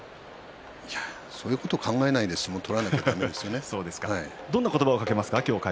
そういうことを考えないで相撲を取らないといけませんね。